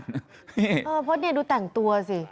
เพราะนี่ดูแต่งตัวสิ